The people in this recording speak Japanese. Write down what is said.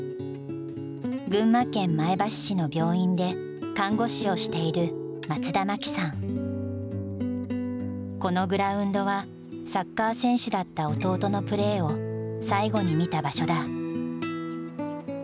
群馬県前橋市の病院で看護師をしているこのグラウンドはサッカー選手だった弟のプレーを最後に見た場所だ。